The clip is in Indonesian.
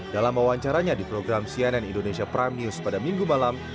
dalam wawancaranya di program cnn indonesia prime news pada minggu malam